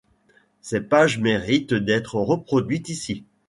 Ces pages méritent d'être reproduites ici.